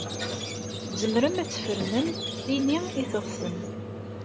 Tzemrem ad tfernem ini ay teɣsem.